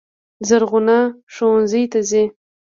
زرغونه ښوونځي ته ځي.